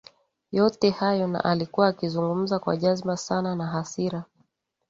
yote hayo na alikuwa akizungumza kwa jazba sana na hasira